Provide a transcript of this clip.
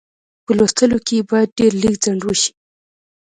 په لوستلو کې یې باید ډېر لږ ځنډ وشي.